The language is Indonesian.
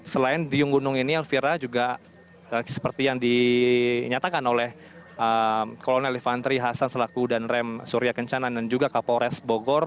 selain di riunggunung ini kalfira juga seperti yang dinyatakan oleh kolonel elefantri hasan selaku dan rem surya kencanan dan juga kapolres bogor